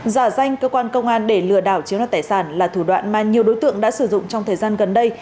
giả danh cơ quan công an để lừa đảo chiếm đoạt tài sản là thủ đoạn mà nhiều đối tượng đã sử dụng trong thời gian gần đây